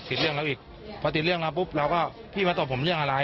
ติดเรื่องเราอีกพอติดเรื่องมาปุ๊บเราก็พี่มาตบผมเรื่องอะไร